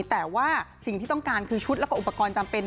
แต่ว่าสิ่งที่ต้องการคือชุดแล้วก็อุปกรณ์จำเป็น